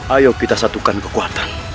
ayo kita satukan kekuatan